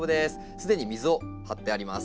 すでに水を張ってあります。